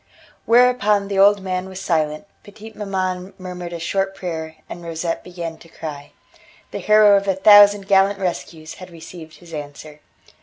Whereupon the old man was silent, petite maman murmured a short prayer, and Rosette began to cry. The hero of a thousand gallant rescues had received his answer.